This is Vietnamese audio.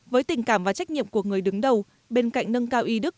với tình cảm và trách nhiệm của người đứng đầu bên cạnh nâng cao y đức